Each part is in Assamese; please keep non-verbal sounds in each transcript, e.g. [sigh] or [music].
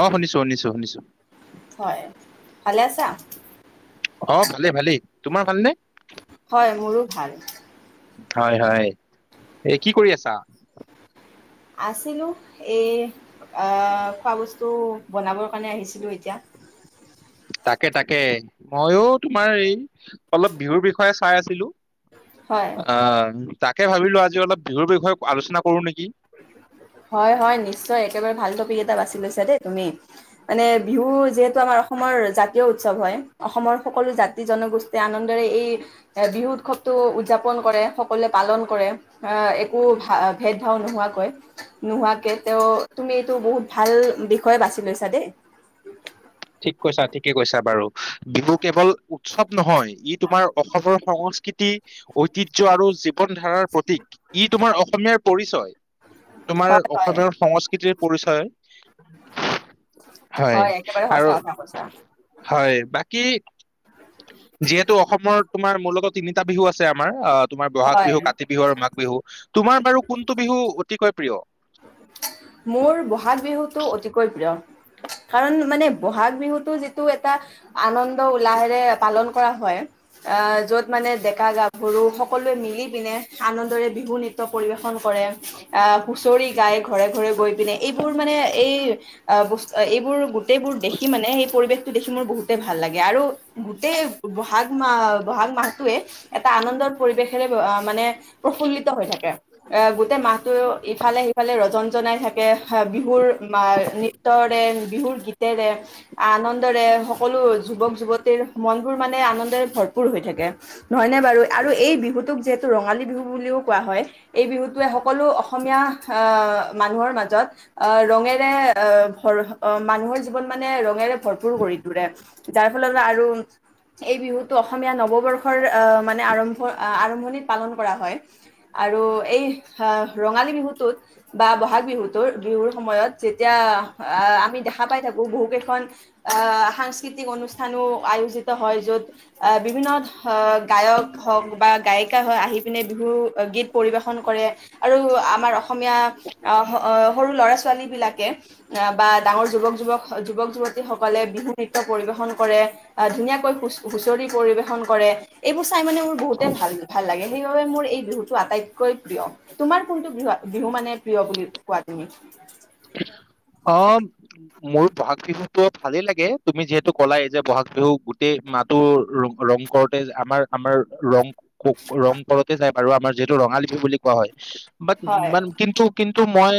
অ', শুনিছো শুনিছোঁ- শুনিছোঁ। হয়। ভালে আছা? অ', ভালে, ভালেই তোমাৰ ভালনে? হয় মোৰো ভাল । হয়- হয়, এই কি কৰি আছা । আছিলোঁ এই অ, খোৱা বস্তু বনাবৰ কাৰণে আহিছিলোঁ এতিয়া। তাকে- তাকে মইও তোমাৰ এই অলপ বিহুৰ বিষয়ে চাই আছিলো হয় । আ তাকে ভাবিলো আজি অলপ বিহুৰ বিষয়ে আলোচনা কৰো নেকি। হয়-হয় নিশ্চয় একেবাৰে ভাল টপিক এটা বাছি লৈছা দেই তুমি, মানে বিহু যিহেতু আমাৰ অসমৰ জাতীয় উৎসৱ হয় অসমৰ সকলো জাতি জনগোষ্ঠীয়ে আনন্দৰে এই বিহু উৎসৱটো উদযাপন কৰে সকলোৱ পালন কৰে আ একো ভা ভেদ ভাৱ নোহোৱাকৈ । নোহোৱাকে তেওঁ তুমি এইটো বহুত ভাল বিষয়ে বাছি লৈছা দেই। ঠিক কৈছা ঠিকে কৈছা বাৰু, বিহু কেৱল উৎসৱ নহয় ই তোমাৰ অসমৰ সংস্কৃতি ঐতিহ্য আৰু জী জীৱন ধাৰাৰ প্ৰতীক। ই তোমাৰ অসমীয়াৰ পৰিচয়। তোমাৰ হয় হয় অসমৰ সংস্কৃতিৰ পৰিচয়, হয়। একেবাৰে সঁচা কথা কৈছা হয়, বাকী যিহেতু অসমৰ তোমাৰ মূলত তিনিটা বিহু আছে আমাৰ, আ তোমাৰ বহাগ হয় বিহু, কাতি বিহু আৰু মাঘ বিহু, তোমাৰ বাৰু কোনটো বিহু অতিকৈ প্ৰিয় । মোৰ বহাগ বিহুটো অতিকৈ প্ৰিয়, কাৰণ মানে বহাগ বিহুটো যিটো এটা আনন্দ উলাহেৰে পালন কৰা হয় আ য'ত মানে ডেকা গাভৰু সকলোৱে মিলি পিনে আনন্দৰে বিহু নৃত্য পৰিৱেশন কৰে আ হুঁচৰি গাই ঘৰে-ঘৰে গৈ পিনে এইবোৰ মানে এই বস্তু এইবোৰ গোটেইবোৰ দেখি মানে এই পৰিৱেশটো দেখি মোৰ বহুতেই ভাল লাগে আৰু গোটেই বহাগ মাহ বহাগ মাহটোৱে এটা আনন্দৰ পৰিৱেশেৰে মানে প্ৰফুল্লিত হৈ থাকে, এ গোটেই মাহটো ইফালে সিফালে ৰজন জনাই থাকে বিহুৰ নৃত্যৰে বিহুৰ গীতেৰে আনন্দৰে সকলো যুৱক যুৱতীৰ মনবোৰ মানে আনন্দৰে ভৰপূৰ হৈ থাকে নহয়নে বাৰু আৰু এই বিহুটোক যিহেতু ৰঙালী বিহু বুলিও কোৱা হয় এই বিহুটোৱে সকলো অসম। অসমীয়া অ', মানুহৰ মাজত আহ ৰঙেৰে ভৰ মানুহৰ জীৱন মানে ৰঙেৰে ভৰপূৰ গঢ়ি তোৰে যাৰ ফলত আৰু এই বিহুটো অসমীয়া নৱবৰ্ষৰ আহ মানে আৰম্ভ আৰম্ভণিত পালন কৰা হয় আৰু এই অ' ৰঙালী বিহুটোত বা বহাগ বিহুত বিহুৰ সময়ত যেতিয়া আহ আমি দেখা পাই থাকো বহু কেইখন অ', সাংস্কৃতিক অনুষ্ঠানো আয়োজিত হয় য'ত আহ বিভিন্ন আহ গায়ক হওঁক বা গায়িকা হয় আহি পিনে বিহু গীত পৰিবেশন কৰে। আৰু আমাৰ অসমীয়া অ', সৰু ল'ৰা-ছোৱালী বিলাকে আহ বা ডাঙৰ যুৱক যুৱক যুৱক-যুৱতী সকলে বিহু নৃত্য পৰিবেশন কৰে ধুনীয়াকৈ হু হুচৰি পৰিবেশন কৰে এইবো চাই মানে মোৰ বহুতে ভাল ভাল লাগে সেইবাবে মোৰ এই বিহুটো আটাইতকৈ প্ৰিয়। তোমাৰ কোনটো বিহু বিহু মানে প্ৰিয় বুলি কোৱা তুমি? অ'। মোৰ বহাগ বিহুতটো ভালেই লাগে তুমি যিহেতু ক'লাই এই যে বহাগ বিহু গোটেই মাহটো ৰ ৰং কৰতে আমাৰ আমাৰ ৰং ৰং কৰোতে যায় আৰুু আমাৰ যিহেতু ৰঙালী বিহু বুলি কোৱা হয়। হয় মান কিন্তু, কিন্তু তো মই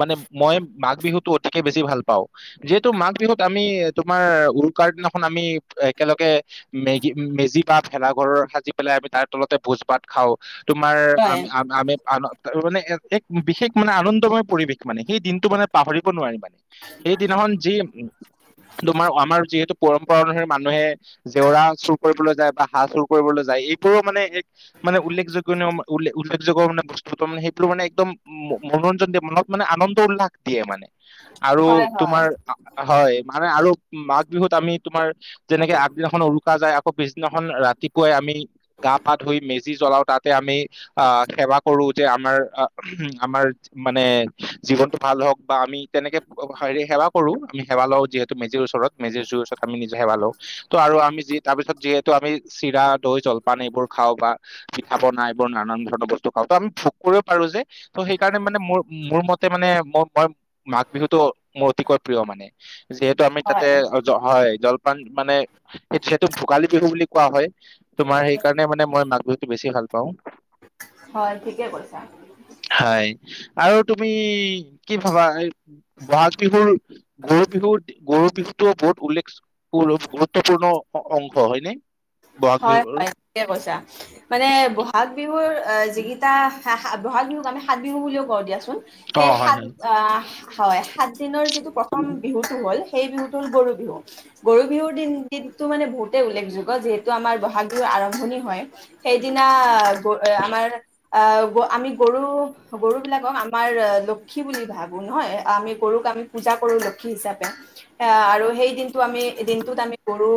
মানে মই মাঘ বিহুতটো অতিকে বেছি ভাল পাওঁ যিহেতু মাঘ বিহুত আমি তোমাৰ উৰুকাৰ দিনাখন আমি একেলগে মেগি মেজি বা ভেলাঘৰৰ সাজি পেলাই আমি তাৰ তলতে ভোজ ভাত খাওঁ। তোমাৰ হয় আম-আমি আৰু আৰু মানে এক বিশেষ মানে আনন্দময় পৰিৱেশ। মানে সেই দিনটো মানে পাহৰিব নোৱাৰি মানে। সেইদিনাখন যি উ তোমাৰ আমাৰ যিহেতু পৰম্পৰা অনুসৰি মানুহে জেওৰা চুৰ কৰিবলৈ যায় বা হাঁহ চুৰ কৰিবলৈ যায় এইবোৰো মানে এক মানে উল্লেখযোগ উল্লেখযোগ্য মানে বস্তুটো মানে সেইবোৰ মানে একদম মনোৰঞ্জন দিয়া মন মানে আনন্দ উল্লাস দিয়ে মানে। আৰু হয় হয় তোমাৰ হয় মানে আৰু মাঘ বিহুত আমি তোমাৰ তেনেকে আগদিনা এখন অৰু কা যায় আকৌ পিছদিনাখন ৰাতিপুৱাই আমি গা পা ধুই মেজি জ্বলাওঁ তাতে আমি অ', সেৱা কৰো যে আমাৰ আমাৰ মানে জীৱনটো ভাল হওঁক বা আমি তেনেকে হেৰি সেৱা কৰো আমি সেৱা লওঁ যিহেতু মেজিৰ ওচৰত মেজিৰ জুই ওচৰত। আমি নিজে হেৱা লও তো আৰু আমি যি তাৰপিছত যিহু তো আমি চিৰা দৈ জলপান এইবোৰ খাওঁ বা পিঠা পনা এইবোৰ নানান ধৰণৰ বস্তু খাওঁ ত আমি ভোগ কৰিবও পাৰো যে ত' সেইকাৰণে মানে মোৰ মোৰ মতে মানে মোৰ মই মাঘ বিহুতটো মোৰ অতিকৈ প্ৰিয় মানে। যিহেতু আমি তাতে হয় অ', জ হয় জল মানে যিহেতু ভোগালী বিহু বুলি কোৱা হয়। তোমাৰ সেইকাৰণে মানে মা বিহুতটো বেছি ভাল। কওঁ হয় ঠিকে কৈছা হয়। আৰু তুমি দ কি ভাবা এই বহাগ বিহুৰ গৰু বিহুৰ গৰু বিহুতটোও বহুত উল্লেখ গুৰুত্বপূৰ্ণ অংশ। হয় নে? হয় হয় থিকে কৈছা মানে বহাগ বিহুৰ যিকেইটা বহাগ বিহুক আমি সাত বিহু বুলিও কওঁ দিয়াচোন। অ সেই হয় সাত হয় আহ । হয় সাত দিনৰ যিটো প্ৰথম বিহুতটো হ'ল সেই বিহুতটো হ'ল গৰু বিহু, গৰু বিহুৰ দিন দিনটো মানে বহুতে উল্লেখযোগ্য যিহেতু এইটো আমাৰ বহাগ বিহুৰ আৰম্ভণি হয় । সেইদিনা গ আমাৰ আ । আমি গৰু গৰু বিলাকক আমাৰ লক্ষী বুলি ভাবো নহয়, আমি গৰুক আমি পূজা কৰো লক্ষী হিচাপে। আৰু সেই দিন [unintelligible] আমি দিনটোত আমি গৰু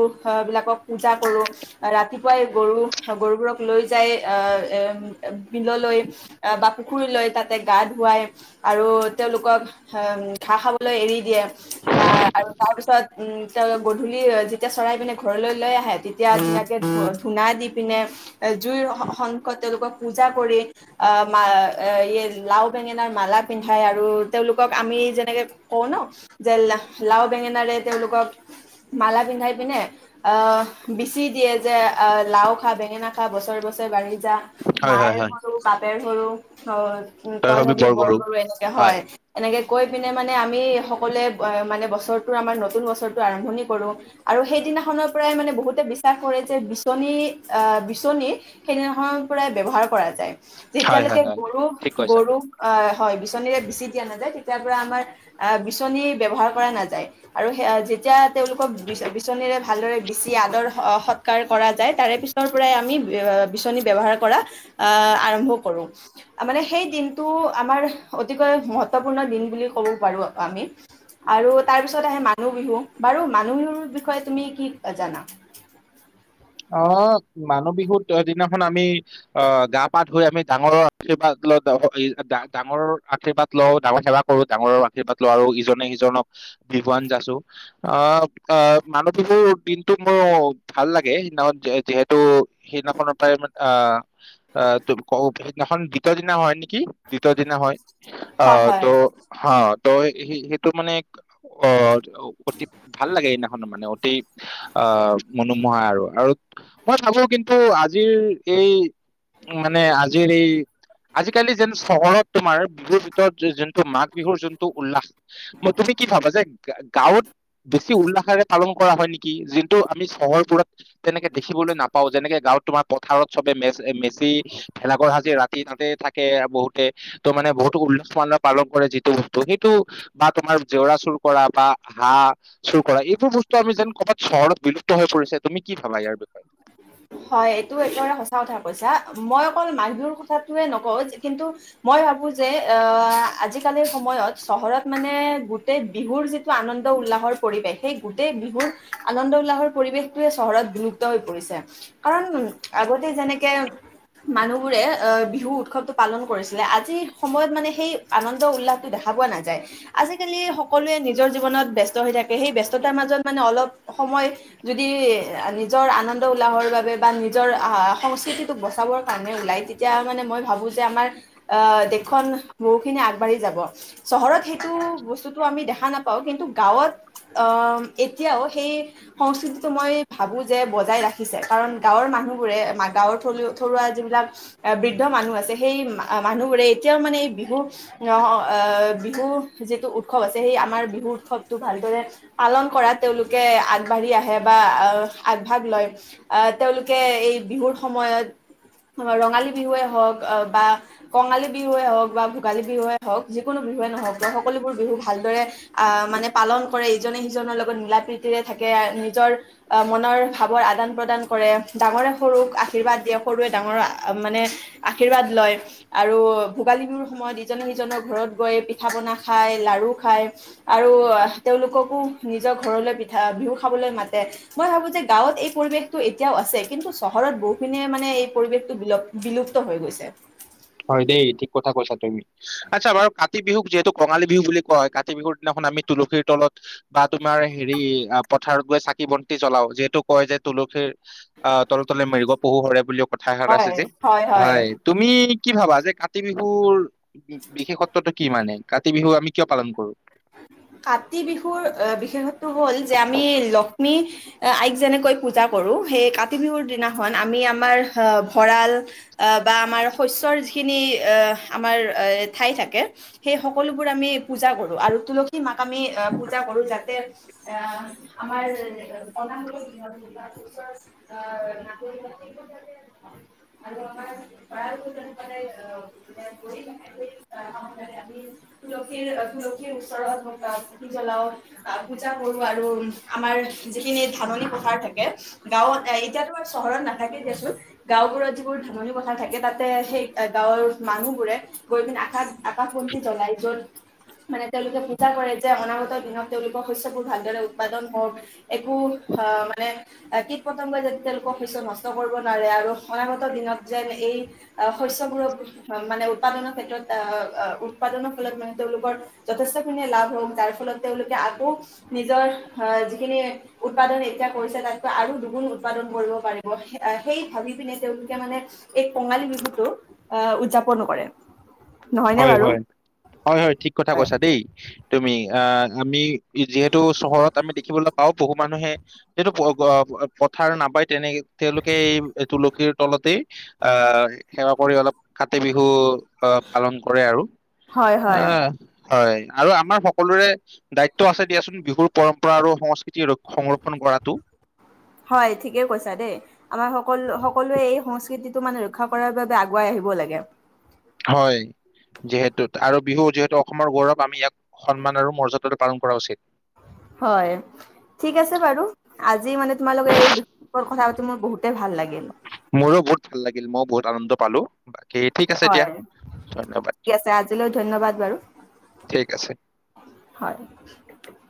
বিলাকক পূজা কৰোঁ । ৰাতিপুৱাই গৰু গৰুবোৰক লৈ যাই আহ এ । বিললৈ আহ বা পুখুৰী লৈ তাতে গা ধুৱাই আৰু তেওঁলোকক ঘাঁহ খাবলৈ এৰি দিয়ে। অ আৰু তাৰ পিছত উম তে গধূলি যেতিয়া চৰাই পিনে ঘৰলৈ লৈ আহে টি এতিয়া ধুনাকে ধূনা দি পিনে জুইৰ সন্মুখত, তেওঁলোকক পূজা কৰি আহ মা লাও বেঙেনাৰ মালা পিন্ধাই আৰু তেওঁলোকক আমি যেনেকে কওঁ ন যে, লাও বেঙেনাৰে তেওঁলোকক মালা পিন্ধাই পিনে আহ বিচি দিয়ে যে লাও খা বেঙেনা খা বছৰে বছৰে বাঢ়ি যা। হয় হয় মায়েৰ হয় সৰু বাপেৰ সৰু হয় । তই হবি বৰ গৰু এনেকে হয় এনেকে কৈ পিনে মানে আমি সকলোৱে মানে । বছৰটো আমাৰ নতুন বছৰটো আৰম্ভণি কৰো আৰু সেইদিনাখনৰ পৰাই মানে বহুত । বিশ্বাস কৰে যে বিচনী আহ বিচনী সেইদিনাখ পৰাই ব্যবহাৰ কৰা যায় হয় তেতিয়ালৈকে হয় হয় গৰু ঠিক কৈছা গৰুক আহ হয় বিচনীৰে বিচি দিয়া নাযায় তেতিয়াৰ পৰা আমাৰ বিচনী ব্যৱহাৰ কৰা নাযায়। আৰু যেতিয়া তেওঁলোকক বিচনীৰে ভালদৰে বিচি আদৰ সৎকাৰ কৰা যায় তাৰে পিছৰ পৰাই আমি বিচনী ব্যৱহাৰ কৰা আহ আৰম্ভ কৰোঁ। মানে সেই দিনটো আমাৰ অতিকৈ মহত্বপূৰ্ণ দিন বুলি ক'ব পাৰো আমি, আৰু তাৰপিছত আহে মানুহ বিহু বাৰু মানুহ বিহুৰ বিষয়ে তুমি কি জানা? [unintelligible] অ মানুহ বিহু ত দিনাখন আমি আহ গা পা ধুই আমি ডাঙৰৰ আৰ্শীৰ্বাদ ল ডাঙৰৰ আৰ্শীৰ্বাদ লওঁ, ডাঙৰ সেৱা কৰো ডাঙৰৰ আশীৰ্বাদ লওঁ আৰু ইজনে সিজনক বিহুৱান যাচো। আহ মানুহ বিহুৰ দিনটো মোৰ ভাল লাগে। সেইদিনা যিহেতু সেইদিনাখননৰ পৰাই মানে অ ত ক সেইদিনাখন দ্বিতীয় দিনা হয় নেকি? দ্বিতীয় দিনা হয়। অ হয় ত হয় হা ত। স সেইটো মানে অ অতি ভাল লাগে সেইদিখন মানে অতি আহ মনোমোহা আৰু। আৰু মই ভাবো কিন্তু আজিৰ এই মানে আজিৰ এই আজিকালি যেন চহৰত তোমাৰ বিহুৰ ভিতৰত যোনটো মাঘ বিহুৰ যোনটো উল্লাস, মই তুমি কি ভাবা যে গাঁৱত বেছি উল্লাসেৰে পালন কৰা হয় নেকি? যোনটো আমি চহৰ বোৰত তেনেকে দেখিবলৈ নাপাও যেনেকে গাঁৱত তোমাৰ পথাৰত চবে মে মেচি ভেলাঘৰ সাজি ৰাতি তাতে থাকে, বহুতে ত মানে বহুতো উল্লাস মে পালন কৰে যিটো বস্তু সেইটো বা তোমাৰ জেওৰা চুৰ কৰা বা হাঁহ চুৰ কৰা এইবোৰ বস্তু আমি যেন কৰ'বাত চহৰত বিলুপ্ত হৈ পৰিছে। তুমি কি কবা ইয়াৰ বিষয়ে? হয় এইটো এইটো এটা সচা কথা কৈছা মই অকল মান বিহুৰ কথাটোয়ে নকওঁ, কিন্তু মই ভাবো যে আহ আজিকালিৰ সময়ত চহৰত মানে গোটেই বিহুৰ যিটো আনন্দ উল্লাহৰ পৰিৱেশ সেই গোটেই বিহুৰ আনন্দ উল্লাহৰ পৰিৱেশটোয়ে চহৰত বিলুপ্ত হৈ পৰিছে। কাৰণ আগতে যেনেকে মানুহবোৰে অ বিহু উৎসৱটো পালন কৰিছিলে, আজিৰ সময়ত মানে সেই আনন্দ উল্লাসটো দেখা পোৱা নাযায় । আজিকালি সকলোৱে নিজৰ জীৱনত ব্যস্ত হৈ থাকে সেই ব্যস্ততাৰ মাজত মানে অলপ সময় যদি নিজৰ আনন্দ উ উলাহৰ বাবে বা নিজৰ আহ সংস্কৃতিটোক বচাবৰ কাৰণে ওলাই তেতিয়া মানে মই ভাবো যে, আমাৰ আহ দেশখন বহুখিনি আগবাঢ়ি যাব চহৰত সেইটো বস্তুতটো আমি দেখা নাপাওঁ, কিন্তু গাঁৱত আহ এতিয়াও সেই সংস্কৃতিটো মই ভাবো যে বজাই ৰাখি দিছে কাৰণ গাঁৱৰ মানুহবোৰে গাঁৱৰ থা থৰুুৱা যিবিলাক বৃদ্ধ মানুহ আছে সেই মানুহবোৰে এতিয়াও মানে এই বিহু অ এ বিহু যিটো উৎসৱ আছে, সেই আমাৰ বিহু উৎসৱটো ভালদৰে পালন কৰাত তেওঁলোকে আগবাঢ়ি আহে বা আগভাগ লয়। আহ তেওঁলোকে এই বিহুৰ সময়ত ৰঙালী বিহুৱে হওক, আহ বা কঙালী বিহুৱে হওক বা ভোগালী বিহুৱে হওক যিকোনো বিহুৱে নহওক বা সকলোবোৰ বিহু ভালদৰে আহ মানে পালন কৰে ইজনে সিজনৰ লগত মিলা প্ৰ্ৰীতিৰে থাকে নিজৰ আহ মনৰ ভাৱৰ আদান প্ৰদান কৰে ডাঙৰে সৰুক আশীৰ্বাদ দিয়ক সৰুৱে ডাঙৰ মানে আশীৰ্বাদ লয়, আৰু ভোগালী বিহুৰ সময়ত ইজনে সিজনৰ ঘৰত গৈ পিঠা পনা খায়, লাৰু খায়, আৰু তেওঁলোককো নিজৰ ঘৰলৈ বিহু খাবলৈ মাতে, মই ভাবো যে গাঁৱত এই পৰিৱেশ তো এতিয়াও আছে, কিন্তু চহৰত বহুখিনিয়ে মানে এই পৰিৱেশটো বিল বিলুপ্ত হৈ গৈছে। হয় দেই ঠিক কথা কৈছা তুমি, আচ্ছা বাৰু কাতি বিহুক যিহেতু কঙালী বিহু বুলি কয়, কাতি বিহুৰ দিনাখন আমি তুলসীৰ তলত বা তোমাৰ হেৰি পথাৰত গৈ চাকি বন্তি জলাও, যিহেতু কয় যে তুলসীৰ তলত তলে মৃগ পহু হৰে বুলি কথা এষাৰ আছে যে, হয়, তুমি কি ভাবা যে কাতি বিহুৰ উ বিশেষত্বটো কি মানে, কাতি বিহু আমি কিয় পালন কৰো? কাতি বিহুৰ বিশেষত্ব হ'ল যে আমি লক্ষ্মী আইক যেনেকৈ পূজা কৰোঁ, সেই কাতি বিহুৰ দিনাখন আমি আমাৰ ভঁৰাল আ বা আমাৰ শস্যৰ যিখিনি আ' আমাৰ আ' ঠাই থাকে, সেই সকলোবোৰ আমি পূজা কৰোঁ আৰু তুলসী মাক আমি আহ পূজা কৰো যাতে আহ আমাৰ [unintelligible] আহ তুলসীৰ ওচৰত পুতি জ্বলাও, আহ পূজা কৰো, আৰু আমাৰ যিখিনি ধাননি পথাৰ থাকে, গাঁৱত এ এতিয়াতো চহৰত নাথাকে দিয়চোন, গাঁওবোৰত যিবোৰ ধাননি পথাৰ থাকে, তাতে সেই গাঁৱৰ মানুহবোৰে গৈ পিনে আকাশ আকাশ বন্তি জলাই, যত মানে তেওঁলোকে পূজা কৰে যে অনাগত দিনত তেওঁলোকৰ শস্যবোৰ ভালদৰে উৎপাদন হওঁক, একো, হ মানে, কীট পতংগই যেন কম শস্য নষ্ট কৰিব নোৱাৰে আৰু অনাগত দিনত যেন এই, অ শস্যবোৰৰ মানে উৎপাদনৰ ক্ষেত্ৰত অ' অ' উৎপাদনৰ ফলত মানে তেওঁলোকৰ যথেষ্টখিনিয়ে লাভ হওঁক, যাৰ ফলত তেওঁলোকে আকৌ নিজৰ, অ' যিখিনি উৎপাদন এতিয়া কৰিছে তাতকৈ আৰু দুগুণ উৎপাদন কৰিব পাৰিব, সেই ভাবি পিনে তেওঁলোকে মানে এই কঙালী বিহুটো, অ' উৎযাপন কৰে। নহয়নে বাৰু হয়-হয়, হয়-হয় ঠিক কথা কথা হয় কৈছা দেই তুমি। আহ আমি যিহেতু চহৰত আমি দেখিবলৈ পাও বহু মানুহে, যিহেতু পথাৰ নাপায় তেনে তেওঁলোকে এই তুলসীৰ তলতেই, আহ সেৱা কৰি অলপ কাতি বিহু আহ পালন কৰে আৰু, হয় হয়। আহ হয়। আৰু আমাৰ সকলোৰে দায়িত্ব আছে দিয়াচোন বিহুৰ পৰম্পৰা আৰু সংস্কৃতি সংৰক্ষন কৰাটো। হয়, ঠিকেই কৈছা দেই, আমাৰ সকলো সকলোৱে এই সংস্কৃতিটো মানে ৰক্ষা কৰাৰ বাবে আগুৱাই আহিব লাগে। হয় যিহেতু, আৰু বিহু যিহেতু অসমৰ গৌৰৱ আমি ইয়াক সন্মান আৰু মৰ্যাদাটো পালন কৰা উচিত। হয়, ঠিক আছে বাৰু আজ আজি মানে তোমালোকে এই বিষয় কথা পাতি মোৰ বহুতে ভাল লাগিল। মোৰো বহুত ভাল লাগিল মইও বহুত আনন্দ [unintelligible] আছে দিয়া হয়, ধন্যবাদ ঠিক আছে, আজিলৈ ধন্যবাদ বাৰু। ঠিক আছে হয়।